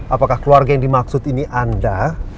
apakah keluarga yang dimaksud ini anda